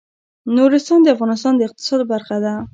نورستان د افغانستان د اقتصاد برخه ده.